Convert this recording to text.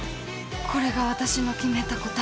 これが私の決めた答え。